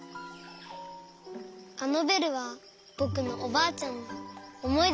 あのベルはぼくのおばあちゃんのおもいでなんだ。